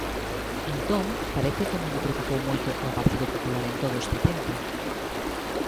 Entón, parece que non lle preocupou moito ao Partido Popular en todo este tempo.